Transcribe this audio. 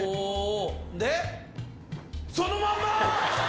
で、そのまんま？